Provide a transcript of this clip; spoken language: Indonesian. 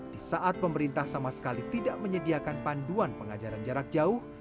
di saat pemerintah sama sekali tidak menyediakan panduan pengajaran jarak jauh